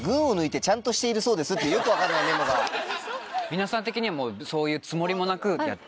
皆さん的にもそういうつもりもなくやってる？